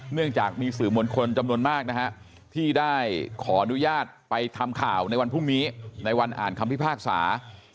เนื่องจากมีสื่อมวลชนจำนวนมากนะฮะที่ได้ขออนุญาตไปทำข่าวในวันพรุ่งนี้ในวันอ่านคำพิพากษา